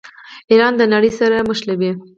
ایران د نړۍ سره نښلوي.